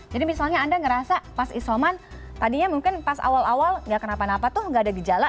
jadi misalnya anda merasa pas isoman tadinya mungkin pas awal awal enggak kenapa napa tuh enggak ada gejala